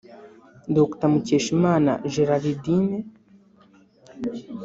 Dr Mukeshimana Geraldine